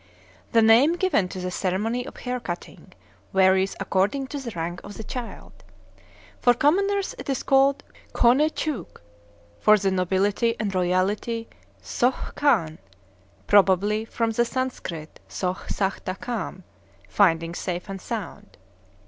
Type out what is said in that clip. The name given to the ceremony of hair cutting varies according to the rank of the child. For commoners it is called "Khone Chook"; for the nobility and royalty, "Soh Khan," probably from the Sanskrit Sôh Sâhtha Kam, "finding safe and sound."